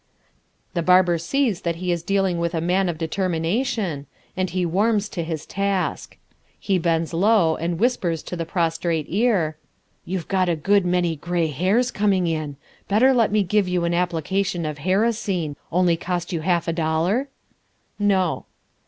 The barber sees that he is dealing with a man of determination, and he warms to his task. He bends low and whispers into the prostrate ear: "You've got a good many grey hairs coming in; better let me give you an application of Hairocene, only cost you half a dollar?" "No."